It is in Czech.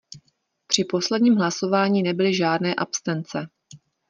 Při posledním hlasování nebyly žádné abstence.